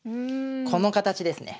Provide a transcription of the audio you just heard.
この形ですね。